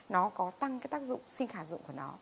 nó có tăng cái tác dụng sinh khả dụng của nó